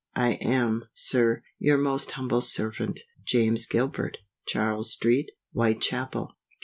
I am, Sir, Your most humble servant, JAMES GILBERT. Charles Street, Whitechapel.